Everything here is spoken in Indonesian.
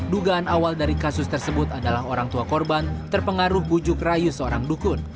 dugaan awal dari kasus tersebut adalah orang tua korban terpengaruh bujuk rayu seorang dukun